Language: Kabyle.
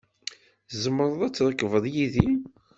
Tzemreḍ ad trekbeḍ yid-i.